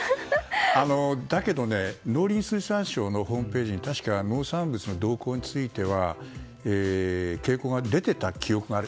だけどね、農林水産省のホームページに確か、農産物の動向については傾向が出ていた記憶がある。